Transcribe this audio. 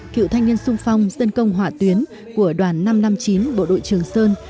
cựu thanh niên sung phong dân công hỏa tuyến của đoàn năm trăm năm mươi chín bộ đội trường sơn